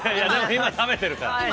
◆今食べてるから。